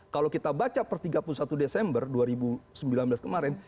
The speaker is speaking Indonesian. kalau kita baca per tiga puluh satu desember dua ribu sembilan belas kemarin